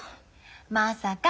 まさか。